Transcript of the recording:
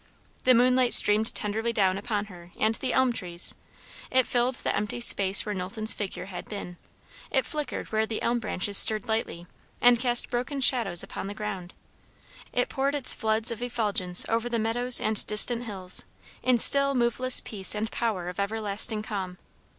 The moonlight streamed tenderly down upon her and the elm trees; it filled the empty space where Knowlton's figure had been; it flickered where the elm branches stirred lightly and cast broken shadows upon the ground; it poured its floods of effulgence over the meadows and distant hills, in still, moveless peace and power of everlasting calm.